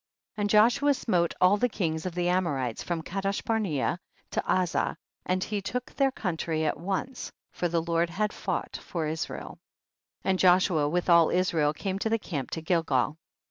37. And Joshua smote all the kings of the Amorites from Kadesh barnea to Azah, and he took their country at once, for the Lord had fought for Is rael. 38. And Joshua with all Israel came to the camp to Gilgal.